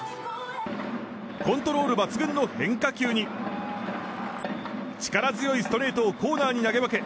コントロール抜群の変化球に力強いストレートをコーナーに投げ分け